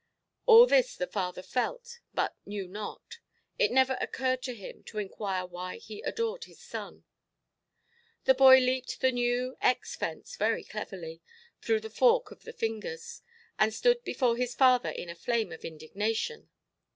All this the father felt, but knew not: it never occurred to him to inquire why he adored his son. The boy leaped the new X fence very cleverly, through the fork of the fingers, and stood before his father in a flame of indignation.